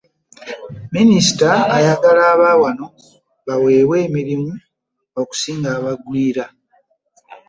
Minisita ayagala abaawano baweebwa emirimu okusinga abagwiira.